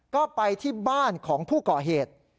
ก็ไปที่บ้านของผู้ก่อเหตุ